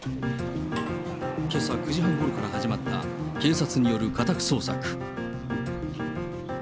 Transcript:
けさ９時半ごろから始まった警察による家宅捜索。